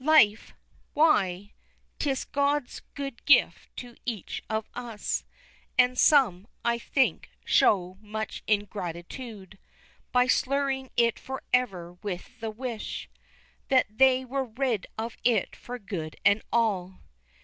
Life! why, 'tis God's good gift to each of us, And some, I think, show much ingratitude By slurring it forever with the wish That they were rid of it for good and all.